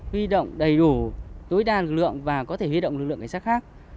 huy động đầy đủ tối đa lực lượng và có thể huy động lực lượng cảnh sát khác